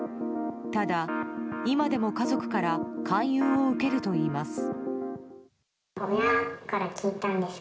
ただ、今でも家族から勧誘を受けるといいます。